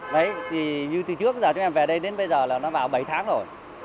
đấy thì như từ trước giờ chúng em về đây đến bây giờ là nó vào bảy tháng rồi